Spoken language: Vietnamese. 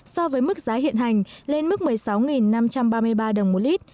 so với mức giá hiện hành lên mức một mươi sáu năm trăm ba mươi ba đồng một lít